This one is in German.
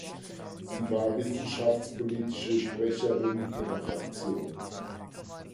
Sie war wissenschaftspolitische Sprecherin ihrer Fraktion.